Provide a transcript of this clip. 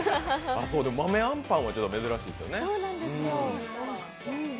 豆あんぱんは珍しいですね。